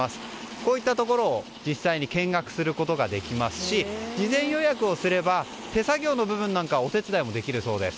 こういったところを実際に見学することができますし事前予約をすれば手作業の部分なんかはお手伝いもできるそうです。